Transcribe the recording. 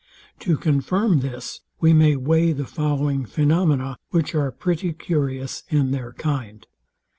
To confirm this we may weigh the following phaenomena, which are pretty curious in their kind.